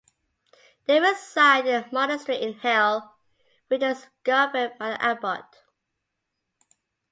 They reside in a monastery in Hell which is governed by an Abbot.